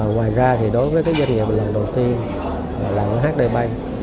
ngoài ra đối với doanh nghiệp lần đầu tiên là ở hdb